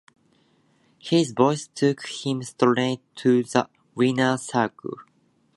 His voice took him straight to the winners circle.